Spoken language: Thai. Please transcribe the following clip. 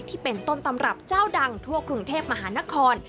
ที่เป็นต้นตำรับเจ้าดังทั่วกรุงเทพมหานคร